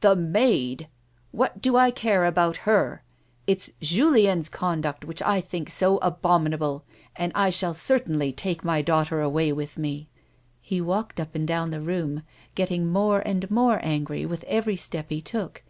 "The maid! What do I care about her'? It's Julien's conduct which I think so abominable, and I shall certainly take my daughter away with me." He walked vip and down the room, getting more and more angry with every step he took.